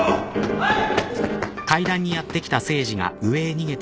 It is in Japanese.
・はい！